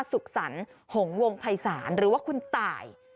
สุขสรรค์หงวงภัยศาลหรือว่าคุณตาย